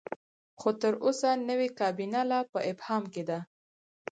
خو تر اوسه نوې کابینه لا په ابهام کې ده.